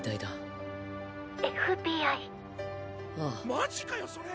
マジかよそれ！？